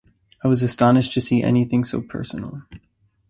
I was astonished to see any thing so Personal.